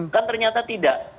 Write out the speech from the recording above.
kan ternyata tidak